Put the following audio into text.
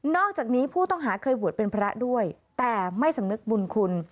อกจากนี้ผู้ต้องหาเคยบวชเป็นพระด้วยแต่ไม่สำนึกบุญคุณ